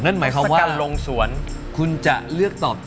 นั้นหมายความว่าคุณจะเลือกตอบ